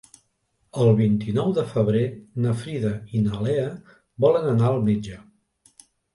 El vint-i-nou de febrer na Frida i na Lea volen anar al metge.